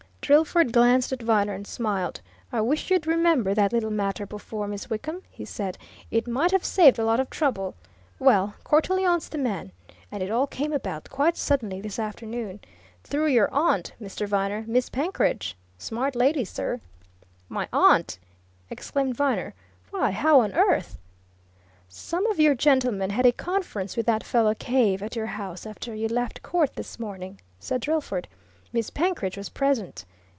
Drillford glanced at Viner and smiled. "I wish you'd remembered that little matter before, Miss Wickham!" he said. "It might have saved a lot of trouble. Well Cortelyon's the man! And it all came about quite suddenly, this afternoon. Through your aunt, Mr. Viner Miss Penkridge. Smart lady, sir!" "My aunt!" exclaimed Viner. "Why, how on earth " "Some of your gentlemen had a conference with that fellow Cave at your house, after you left court this morning," said Drillford. "Miss Penkridge was present.